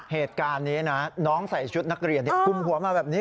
เหตุการณ์นี้นะน้องใส่ชุดนักเรียนคุมหัวมาแบบนี้